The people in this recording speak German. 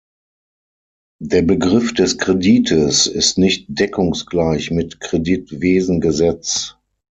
Der Begriff des Kredites ist nicht deckungsgleich mit Kreditwesengesetz.